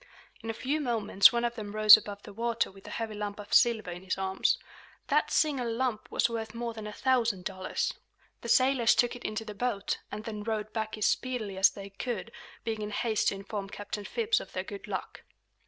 In a few moments one of them rose above the water with a heavy lump of silver in his arms. That single lump was worth more than a thousand dollars. The sailors took it into the boat, and then rowed back is speedily as they could, being in haste to inform Captain Phips of their good luck.